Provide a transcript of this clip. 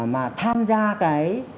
mà tham gia cái